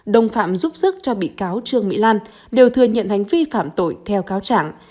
đồng phạm giúp sức cho bị cáo trương mỹ lan đều thừa nhận hành vi phạm tội theo cáo trạng